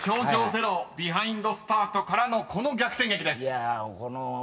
０ビハインドスタートからのこの逆転劇です］